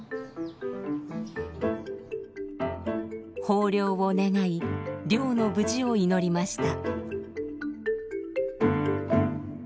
豊漁を願い漁の無事を祈りました。